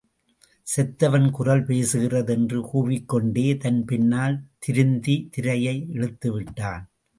செத்தவன் குரல் பேசுகிறது! என்று கூவிக்கொண்டே தன் பின்னால் இருந்த திரையை இழுத்து விட்டான்.